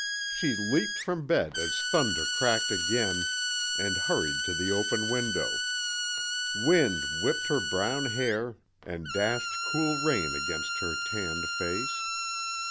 She leaped from bed as thunder cracked again, and hurried to the open window. Wind whipped her brown hair and dashed cool rain against her tanned face.